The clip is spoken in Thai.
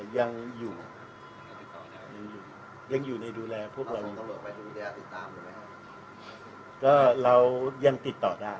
ยังอยู่ยังอยู่ยังอยู่ในดูแลพวกเราตำรวจไหมดูแลติดตามอยู่ไหมครับก็เรายังติดต่อได้